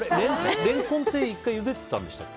レンコンって１回、ゆでてたんでしたっけ。